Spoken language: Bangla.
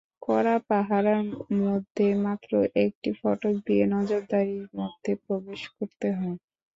কড়া পাহারার মধ্যে মাত্র একটা ফটক দিয়ে নজরদারির মধ্যে প্রবেশ করতে হয়।